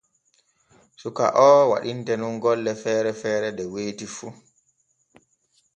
Suka o waɗinte nun golle feere feere de weeti fu.